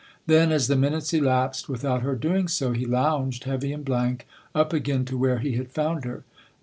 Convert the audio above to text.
Then as the minutes elapsed without her doing so, he lounged, heavy and blank, up again to where he had found her.